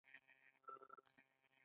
توشکې او بالښتونه د ارام لپاره دي.